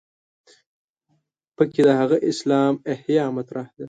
په کې د هغه اسلام احیا مطرح ده.